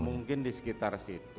mungkin di sekitar situ